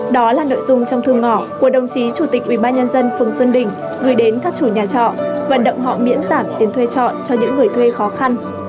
đó là nội dung trong thư ngỏ của đồng chí chủ tịch ubnd phường xuân đình gửi đến các chủ nhà trọ vận động họ miễn giảm tiền thuê trọ cho những người thuê khó khăn